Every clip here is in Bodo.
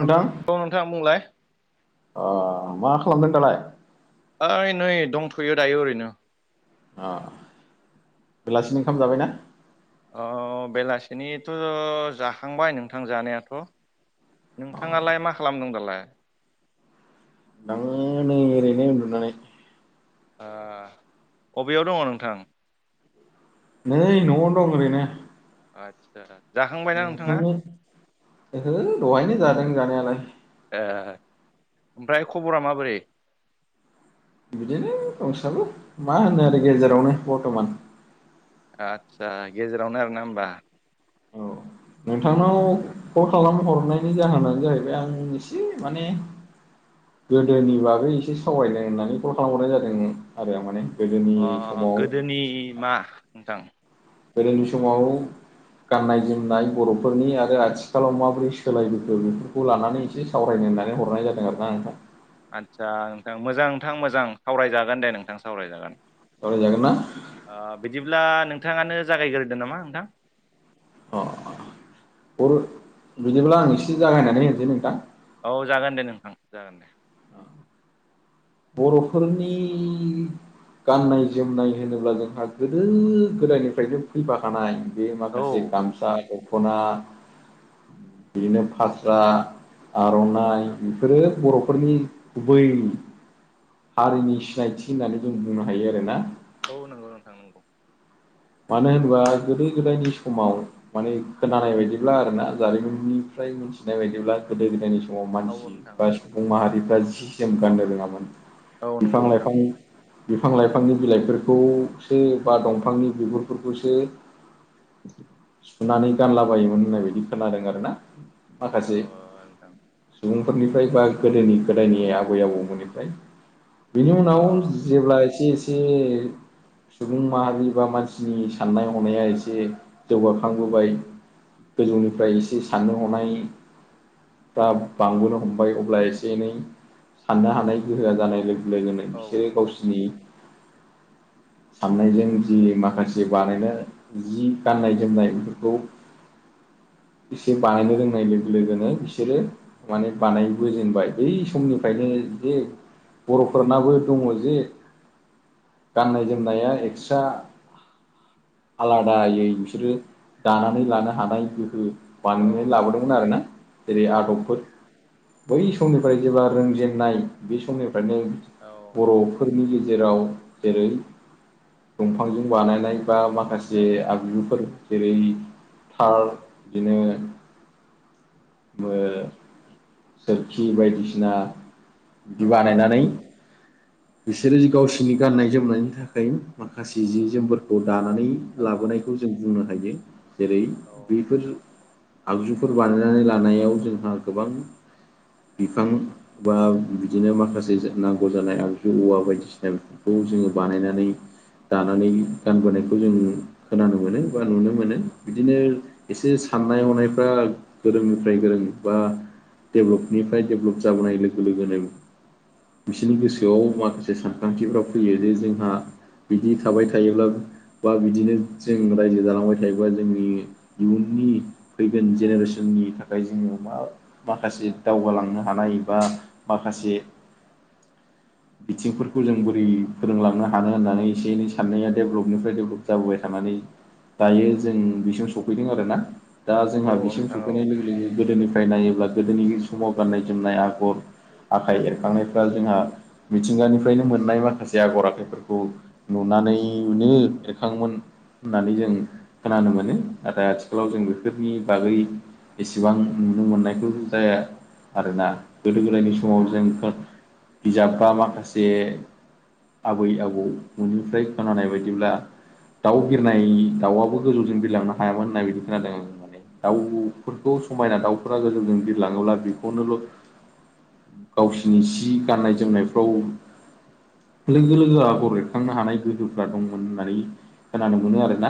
नोंथां औ नोंथाङा बुंलाय। अ खालामदों दालाय? ओइ नै दंथ'यो दायो ओरैनो। अ बेलासिनि ओंखाम जाबाय ना? अ बेलासिनिथ' जाखांबाय नोंथां जानायाथ' नोंथाङालाय मा खालामदों दालाय आं नै उरैनो उन्दुनानै ओ अबेयाव दङ नोंथां नै न'आवनो दं ओरैनो। आतसा ओं [unintelligible] ओहो दहायनो जादों जानायालाय ए ओमफ्राय खबरा माबोरै बिदिनो दंसाबो मा होननो आरो गेजेरावनो बरर्थमान आदसा गेजेरावनो आरोना होमबा। औ नोंथांनाव कल खालाम हरनायनि जाहोनानो जाहैबाय आं एसे माने गोदोनि बागै एसे सावरायनो होननानै कल खालामहरनाय जादों आरो माने गोदोनि अ' समाव गोदोनि मा नोंथां गोदोनि समाव गाननाय जोमनाय बर'फोरनि आरो आथिखालाव माबोरै सोलायबोखो बेफोरखौ लानानै एसे सावरायनो। होन्नानै हरनाय जादों आरो ना नोंथां। आदसा नोंथां मोजां नोंथां मोजां सावरायजागोन दे नोंथां सावरायजागोन। सावराय जागोन ना? ओ बिदिब्ला नोंथाङानो जागायग्रोदों नामा नोंथां। अ बर' बिदिब्ला आं एसे जागायनानै होसै नोंथां। औ जागोन दे नोंथां जागोन दे। बर'फोरनि गाननाय जोमनाय होनोब्ला जोंहा गोदो गोदायनिफ्रायनो फैफाखानाय। बेयो औ माखासे गामसा दख'ना बिदिनो फास्रा। नंगौ आर'नाइ नोंथां बेफोरो बर'फोरनि गुबै। हारिनि सिनायथि होननानै जों बुंनो हायो आरो ना औ नंगौ नोंथां नंगौ। मानो होनोबा गोदो गोदायनि समाव माने खोनानाय बायदिब्ला आरोना जारिमिननिफ्राय मिथिनाय बायदिब्ला गोदो गोदायनि सम'आव औ मानसि नोंथां औ बा सुबुं माहारिफ्रा जि जोम गाननो रोङामोन औ नंगौ बिफां नोंथां लाइफां बिफां लाइफांनि बिलाइफोरखौसो बा दंफांनि बिगुरफोरखौसो सुनानै गानलाबायोमोन होननायबायदि खोनादों आरो ना औ माखासे नोंथां सुबुं फोरनिफ्राय बा गोदोनि गोदायनि आबै आबौमोननिफ्राय बिनि अ उनाव जेब्ला एसे एसे सुबुं माहारि बा मानसि नि साननाय हनाया एसे जौगाखांबोबाय। गोजौनिफ्राय एसे साननो हनाय दा बांबोनो हमबाय अब्ला एसे एनै साननो हानाय गोहोआ जानाय लोगो लोगोनो औ बिसोरो गावसिनि साननायजों जि माखा से बानायनो जि गाननाय जोमनाय बेफोरखौ एसे बानायनो रोंनाय लोगो लोगोनो बिसोरो माने बानायबोजेनबाय बै समनिफ्रायनो दि बर'फोरनाबो दङ जे गाननाय जोमनाया एक्सट्रा आलादायै बिसोरो दानानै लानो हानाय गोहो औ बानायनानै लाबोदोंमोन आरो ना जेरै औ आगरफोर बै समनिफ्राय जेब्ला रोंजेननाय बे समनिफ्रायनो औ बर'फोरनि गेजेराव जेरै दंफांजों बानायनाय बा मा खासे आगजुफोर जेरै थार बिदिनो ओ सोरखि बायदिसिना औ बिदि बानायनानै बिसोरो गावसोरनि गाननाय जोमनायनि थाखाय माखासे जि जोमफोरखौ दानानै औ लाबोनायखौ जों बुंनो हायो। जेरै औ बैफोर आगजुफोर बानायनानै लानायाव जोंहा गोबां बिफां बा बिदिनो माखासे नांगौ जानाय आरो औवा बायदिसिना बेफोरखौ जोङो बानायनानै दानानै गानबोनायखौ जों खोनानो मोनो बा नुनो मोनो बिदिनो एसे साननाय हनायफ्रा गोरोंनिफ्राय गोरों बा डेभेलपनिफ्राय डेभेलप जाबोनाय लोगो लोगोनो बिसोरनि गोसो गोसोआव माखासे सानखांथिफोरा फैयो जे जोंहा बिदि थाबाय थायोब्ला बा बिदिनो जों रायजो जालांबाय थायोबा जोंनि इयुन नि फैगोन जेनेरेसननि थाखाय जोङो मा माखासे दावगालांनो हानाय बा माखासे बिथिंफोरखौ जों बोरै फोरोंलांनो हानो होननानै एसे एनै साननाया डेभलपनिफ्राय डेभ्लप जाबोबाय थानानै दायो जों बिसिम सफैदों आरोना। दा औ जोंहा बिसिम नोंथां औ सफैनाय लोगो लोगो गोदोनिफ्राय नायोब्ला गोदोनि समाव गाननाय जोमनाय आगर आखाइ एरखांनायफ्रा जोंहा मिथिंगानिफ्रायनो मोननाय माखासे आगर आखाइफोरखौ नुनानैनो एरखाङोमोन। होननानै जों खोनानो मोनो नाथाय आथिखालाव जों बेफोरनि बागै एसेबां नुनो मोननायखौ जाया आरोना गोदो गोदायनि समाव जों बिजाब बा माखासे आबै आबौ न'निफ्राय खोनानाय बायदिब्ला दाउ बिरनाय दाउआबो गोजौजों बिरलांनो हायामोन होननाय बिदि खोनादों आं माने दाउफोरखौ समायना दाउफोरा गोजौजों बिरलाङोब्ला बेखौनोल' गावसिनि सि गाननाय जोमनायफ्राव लोगो लोगो आगर एरखांनो हानाय गोहोफ्रा दंमोन होननानै खोनानो मोनो आरोना।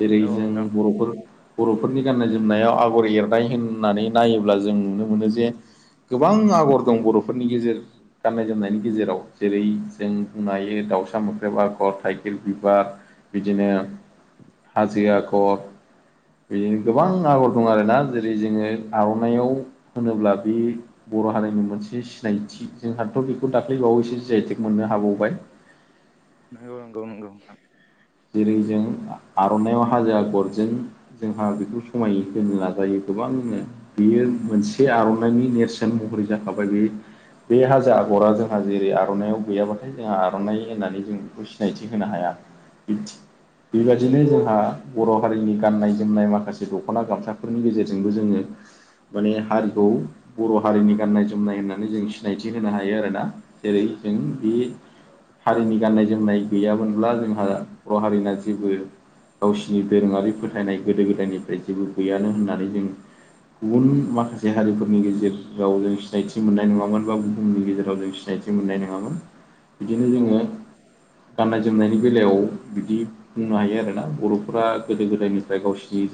जेरै औ जों नोंथां बर'फोर बर'फोरनि गाननाय जोमनायाव आगर एरनाय होननानै नायोब्ला जों नुनो मोनो जे गोबां आगर दं बर'फोरनि गेजेर गाननाय जोमनायनि गेजेराव जेरै जों बुंनो हायो दाउसा मोख्रेब आगर थाइखेर बिबार बिदिनो हाजो आगर बिदिनो गोबां आगर दं आरोना जेरै जोङो आरननाइाव होनोब्ला बे बर' हारिनि मोनसे सिनायथि जोंहाथ दाखौ दाख्लै बावैसो जि आइ टेग मोननो हाबावबाय। नंगौ नंगौ नंगौ नोंथां जेरै जों आरननाइाव हाजो आगरजों जोंहा बेखौ समाय होनो नाजायो। गोबांनो बेयो मोनसे आरननाइनि नेरसोन महरै जाखाबाय बे बे हाजो आगरा जोंहा जेरै आरननाइाव गैयाबाथाय जोंहा आरननाइ होननानै जों बेखौ सिनायथि होनो हाया। बिब्दि बेबदिनो जोंहा बर' हारिनि गाननाय जोमनाय माखासे दख'ना गामसाफोरनि गेजेरजोंबो जोङो माने हारिखौ बर' हारिनि गाननाय जोमनाय होननानै जों सिनायथि होनो हायो आरोना जेरै जों बे हारिनि गाननाय जोमनाय गैयामोनब्ला जोंहा बर' हारिना जेबो गावसिनि दोरोङारि फोथायनाय गोदो गोदायनिफ्राय जेबो गैयानो होननानै जों गुबुन माखासे हारिफोरनि गेजेराव जों सिनायथि मोननाय नङामोन बा बुहुमनि गेजेराव जों सिनायथि मोननाय नोङामोन। बिदिनो औ जोङो गाननाय जोमनायनि बेलायाव बिदि बुंनो हायो आरोना। बर'फोरा औ गोदो गोदायनिफ्राय गावसोरनि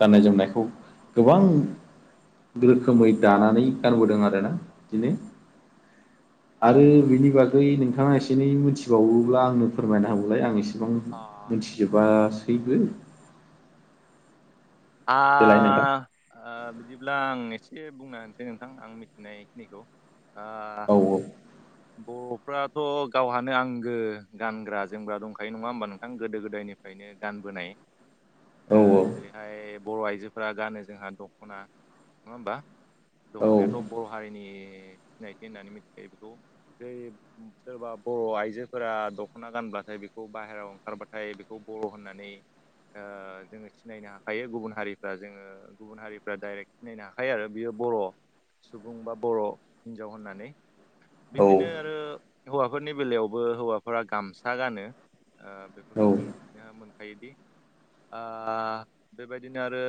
गाननाय जोमनायखौ गोबां रोखोमै दानानै गानबोदों आरोना बिदिनो आरो बिनि बागै नोंथाङा एसे एनै मोनथिबावोब्ला आंनो फोरमायना होबौलाय आं एसे बिसेबां मिथिजोबासैबो आ देलाय नोंथां बिदिब्ला आं एसे बुंना होनसै नोंथां आं मिथिनायखिनिखौ औ औ फ्राथ' गावहानो आंगो गानग्रा जोमग्रा दंखायो नङा होमबा नोंथां गोदो गोदायनिफ्रायनो गान बोनाय औ जेरैहाय बर' आइजोफोरा गानो जोंहा दखना नङा होनबा औ दख'नायाथ बर' हारिनि सिनायथि होननानै मिथिखायो बेखौ जै सोरबा बर' आइजोफोरा दख'ना गानब्ला नाथाय बेखौ बाहेरायाव ओंखारबाथाय बेखौ बर' होननानै जोङो सिनायनो हायो गुबुन हारिफ्रा जोङो गुबुन हारिफ्रा डाइरेक्ट सिनायनो हाखायो आरो बियो बर' सुबुं बा बर' हिन्जाव होननानै औ बिदिनो आरो हौवाफोरनि बेलायावबो हौवाफोरा गामसा गानो औ बेफोरखौ जोङो मोनखायोदि बेबायदिनो आरो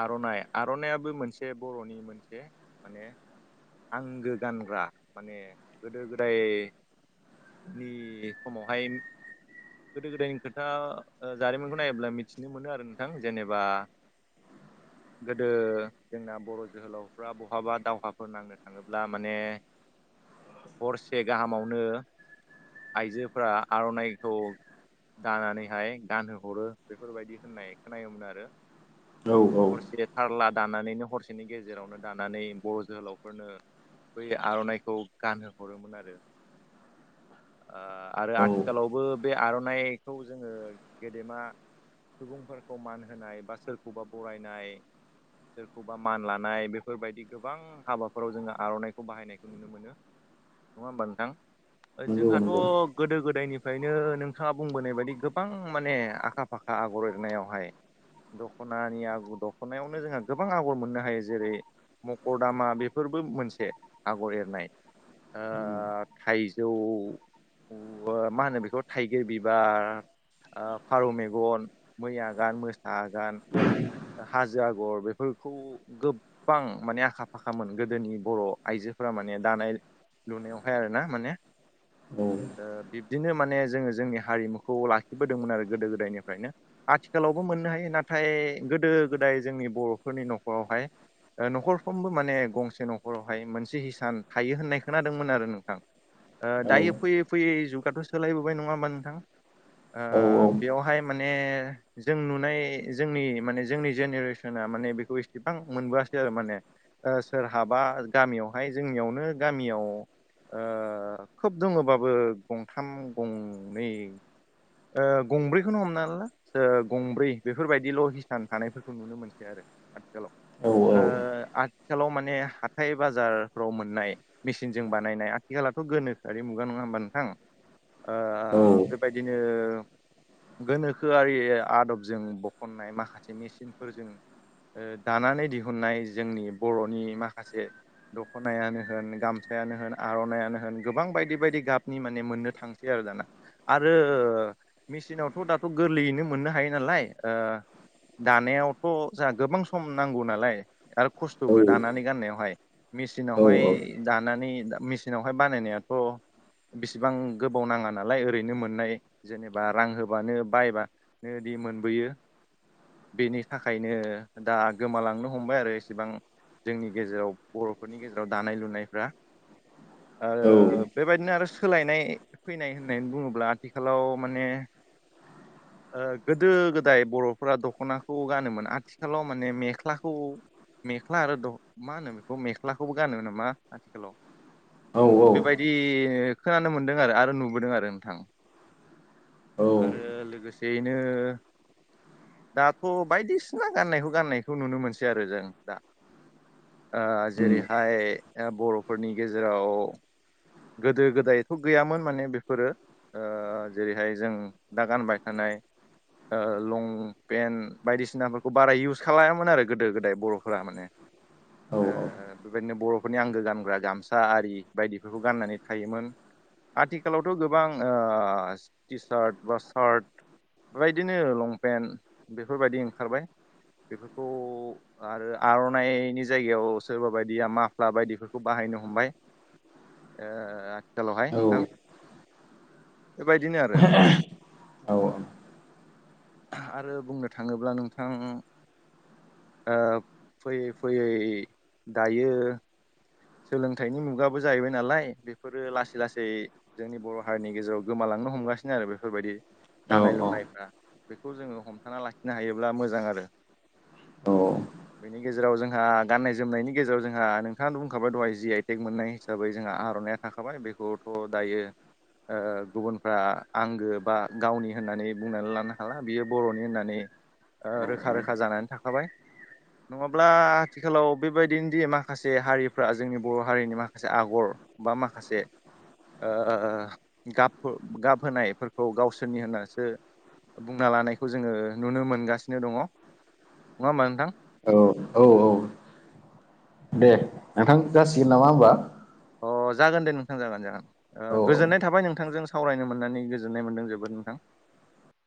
आरनाइ आरनायाबो मोनसे बर'नि मोनसे माने आंगो गानग्रा माने गोदो गोदाय नि समावहाय गोदो गोदायनि खोथा जारिमिनखौ नायोब्ला मिथिनो मोनो आरो नोंथां जेनेबा [inaudible] गोदो जोंना बर' जोहोलावफ्रा बहाबा दावहाफोर नांनो थाङोब्ला माने [inaudible] हरसे गाहामावनो आइजोफोरा आरनाइखौ दानानैहाय गानहो हरो बेफोरबायदि होननाय खोनोमोन आरो औ औ हरसे थारला दानानैनो हरसेनि गेजेरावनो दानानै बर' जोहोलावफोरनो बै आर'नाइखौ गानहो हरोमोन आरो आरो औ आथिखालावबो बे आर'नाइखौ जोङो गेदेमा सुबुंफोरखौ मान होनाय बा सोरखौबा बरायनाय सोरखौबा मान लानाय बेफोरबायदि गोबां हाबाफोराव जोङो आर'नाइखौ बाहायनायखौ नुनो मोनो। नङा होमबा नोंथां नंगौ जोंहाथ' नंगौ गोदो गोदायनिफ्रायनो नो नोंथाङा बुंबोनाय बायदि गोबां माने आखा फाखा आगर एरनायावहाय दख'नानि आगर दख'नायावनो जोंहा गोबां आगर मोननो हायो जेरै मकर दामा बेफोर बो मोनसे आगर एरनाय ओ उम थाइजौ मा होनो बे खौ थाइगिर बिबार ओ फारौ मेगन मै आगान मोसा आगान हाजो आगर बेफोरखौ गोबां माने आखा फाखामोन गोदोनि बर' आइजो फोरा माने दानाय लुनायावहाय आरो ना माने औ ओ बिब्दिनो माने जोङो जोंनि हारिमुखौ लाखिबोदोंमोन आरो गोदो गोदायनिफ्रायनो आथिखालावबो मोननो हायो नाथाय गोदो गोदाय जोंनि बर'फोरनि न'खरावहाय न'खरफ्रोमबो माने गंसे न'खरावहाय मोनसे हिसान थायो होननाय खोनादोंमोन आरो नोंथां औ दायो फैयै फैयै जुगाथ' सोलायबोबाय नङा होमा नोंथां औ औ ओ बेवहाय माने जों नुनाय जोंनि माने जोंनि जेनेरेसना माने बेखौ इसेबां मोनबोआ सै आरो माने सोरहाबा गामियावहाय जोंनियावनो गामियाव ओ खोब दङोबाबो गंथाम गंनै ओ गंब्रैखौनो हमना ला गंब्रै बेफोरबायदिल' हिसान थानायफोरखौ नुनो मोनसै आरो आथि- औ ओ आ थिखालाव माने हाथाय बाजारफ्राव मोननाय मेसिनजों बानायनाय आथिखाललाथ' गोनोखोआरि मुगा नङा होमबा नोंथां [inaudible] ओ बेबायदिनो गोनोखोआरि आदबजों बखननाय माखासे मेसिनफोरजों। ओ दानानै दिहुननाय जोंनि बर'नि माखासे दख'नायानो होन गामसायानो होन आर'नाइयानो होन गोबां बायदि बायदि गाबनि माने मोननो थांसै आरो दाना आरो मेचिनावथ' दाथ' गोरलैयैनो मोननो हायो नालाय ओ दानायावथ' जोंहा गोबां सम नांगौ नालाय आरो खस्थ'बो दानानै गाननायावहाय मेचिनावहाय दानानै दा मेसिनावहाय बानायनायाथ' बेसेबां गोबाव नाङा नालाय ओरैनो मोननाय जेनेबा रां होबानो बायबा नोदि मोनबोयो। बेनि थाखायनो दा गोमालांनो हमबाय आरो इसेबां जोंनि गेजेराव बर'फोरनि गेजेराव दानाय लुनायफ्रा ओ औ बेबायदिनो आरो सोलायनाय फैनाय होननानै बुङोब्ला आथिखालाव माने [inaudible] ओ गोदो गोदाय बर'फोरा दख'नाखौ गानोमोन आथिखालाव माने मेख्लाखौ मेख्ला आरो द मा होनो बेखौ मेख्लाखौबो गानो नामा आथिखालाव औ औ बेबायदि खोनानो मोनदों आरो आरो नुबोदों आरो नोंथां। आरो औ लोगोसेयैनो दाथ' बायदिसिना गाननायखौ गाननायखौ नुनो मोनसै आरो जों दा। ओ उम जेरैहाय ओ बर'फोरनि गेजेराव गोदो गोदायथ' गैयामोन माने बेफोरो ओ जेरैहाय जों दा गानबाय थानाय ओ लंपेन्ट बायदिसिनाफोरखौ बारा इउस खालायामोन आरो गोदो गोदाय बर'फोरा माने ओ औ औ बे बादिनो बर' फोरनि आंगो गानग्रा गामसा आरि बायदिफोरखौ गाननानै थायोमोन। आथिखालावथ' गोबां ओ टि सार्ट बा सार्ट बेबायदिनो लंपेन्ट बेफोरबायदि ओंखारबाय। बेफोरखौ आरो आर'नाइनि जायगायाव सोरबा बायदिया माफ्ला बायदिफोरखौ बाहाय नो हमबाय ओ आथिं खालावहाय नोंथां बेबायदिनो आरो [inaudible] औ आरो बुंनो थाङोब्ला नोंथां। ओ फैयै फैयै दायो। सोलोंथाइनि मुगाबो जाहैबाय नालाय बेफोरो लासै लासै जोंनि बर' हारिनि गेजेराव गोमालां थांनो हमगासिनो आरो बेफोरबायदि औ दानाय औ औ लुनायफ्रा बेखौ जोङो हमथाना लाखिनो हायोब्ला मोजां आरो औ बेनि गेजेराव जोंहा गाननाय जोमनायनि गेजेराव जोंहा नोंथाङा बुं ओंखारबाय दहाय जि आइ टेग मोननाय हिसाबै जोंहा आर'नाइया थाखाबाय बेखौथ' दायो। ओ गुबुनफ्रा आंगो बा गावनि होननानै बुंनानै लानो हाला बियो बर'नि होननानै ओ औ रोखा रोखा जानानै था बाय नङाब्ला आथिखालाव बेबायदिनोदि माखासे हारि फोरा जोंनि बर' हारिनि माखासे आगर बा माखासे ओ गाब गाब होनायफोरखौ गावसोरनि होननासो बुंना लानायखौ जोङो नुनो मोनगासिनो दङ नङा ओमबा नोंथां। औ औ औ दे नोंथां जासिगोन नामा ओमबा अ जागोन दे नोंथां जागोन जागोन ओ औ गोजोननाय थाबाय नोंथांजों सावरायनो मोननानै गोजोननाय मोनदों जोबोद नोंथां। [inaudible]